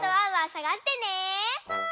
さがしてね！